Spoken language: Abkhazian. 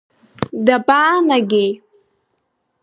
Дабаанагеи!